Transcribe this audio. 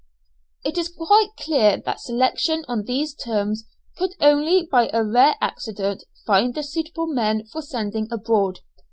It is quite clear that selection on these terms could only by a rare accident find the suitable men for sending abroad.